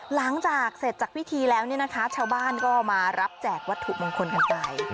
หลังจากเสร็จจากพิธีแล้วเนี่ยนะคะชาวบ้านก็มารับแจกวัตถุมงคลกันไป